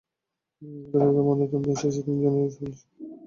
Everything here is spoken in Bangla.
রাতেই তাঁদের ময়নাতদন্ত শেষে তিনজনের লাশ পরিবারের কাছে হস্তান্তর করা হয়।